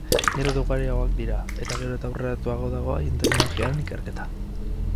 Gero eta ugariagoak dira, eta gero eta aurreratuago dago haien teknologiaren ikerketa.